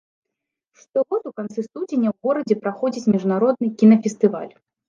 Штогод у канцы студзеня ў горадзе праходзіць міжнародны кінафестываль.